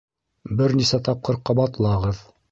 Бер нисә тапҡыр ҡабатлағыҙ.